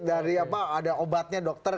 dari obatnya dokter